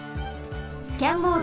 スキャンモード。